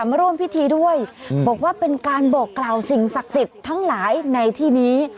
มาร่วมพิธีด้วยบอกว่าเป็นการบอกกล่าวสิ่งศักดิ์สิทธิ์ทั้งหลายในที่นี้